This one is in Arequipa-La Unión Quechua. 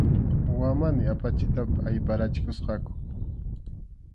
Wamani apachitapi ayparqachikusqaku.